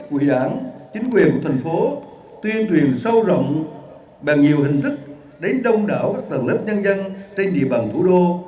quỹ đảng chính quyền của thành phố tuyên truyền sâu rộng bằng nhiều hình thức đến đông đảo các tầng lớp nhân dân trên địa bàn thủ đô